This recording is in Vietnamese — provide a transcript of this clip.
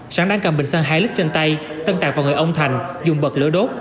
sáng đang cầm bình xăng hai lít trên tay tân tạc vào người ông thành dùng bật lửa đốt